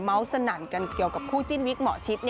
สนั่นกันเกี่ยวกับคู่จิ้นวิกหมอชิด